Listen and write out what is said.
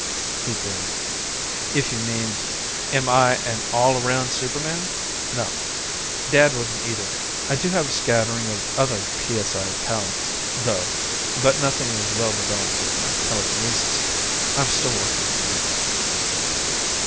He grinned. "If you mean, am I an all around superman, no. Dad wasn't either. I do have a scattering of other psi talents, though, but nothing as well developed as my telekinesis. I'm still working on them."